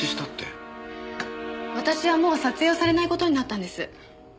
私はもう撮影をされない事になったんです。